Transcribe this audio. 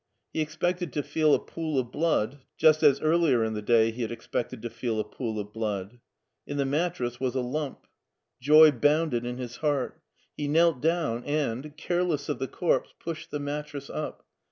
He expected to feel a pool of blood, just as earlier in the day he had ex pected to feel a pool of blood. In the mattress was a lump. Joy bounded in his heart. He knelt down, and, careless of the corpse, pushed the mattress up.